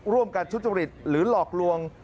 ร่วมกันทุจริตหรือหลอกลวง